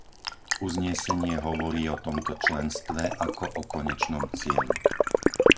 Uznesenie hovorí o tomto členstve ako o konečnom cieli.